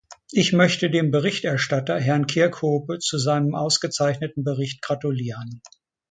Ich möchte dem Berichterstatter, Herrn Kirkhope, zu seinem ausgezeichneten Bericht gratulieren.